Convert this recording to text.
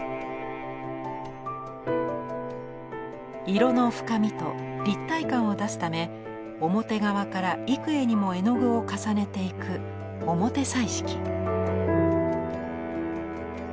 色の深みと立体感を出すため表側から幾重にも絵の具を重ねていく表彩色。